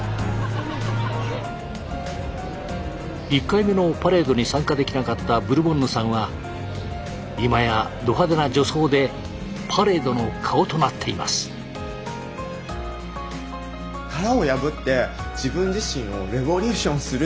１回目のパレードに参加できなかったブルボンヌさんは今やど派手な女装でパレードの顔となっています。